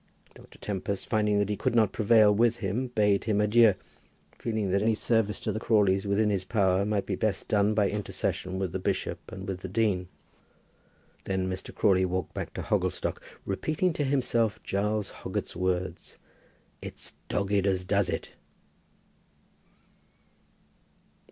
Dr. Tempest, finding that he could not prevail with him, bade him adieu, feeling that any service to the Crawleys within his power might be best done by intercession with the bishop and with the dean. Then Mr. Crawley walked back to Hogglestock, repeating to himself Giles Hoggett's words, "It's dogged as does it."